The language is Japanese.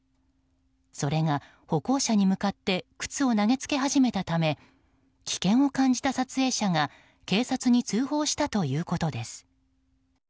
それが、歩行者に向かって靴を投げつけ始めたため危険を感じた撮影者が警察に通報したということです。